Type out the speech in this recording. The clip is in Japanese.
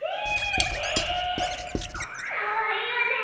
かわいいわね。